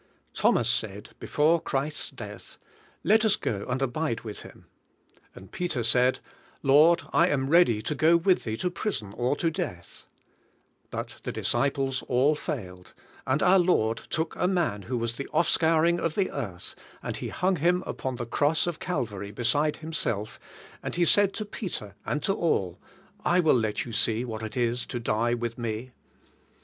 Thomas said, before Christ's death, *'Let us go and abide with Him." And Peter said, "Lord, I am readj^ to go with Ihee to prison, or to death," But the disciples all failed, and our Lord took a man who was the offscour ing of the earth, and he hung hi^n upon the cross of Calvary beside Himself, and He said to Peter, and to all: ''\ will let you sse what it is to die with Me."